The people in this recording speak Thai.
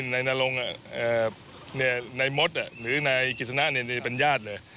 นายมดหรือนายกิษณะเป็นญาติเลย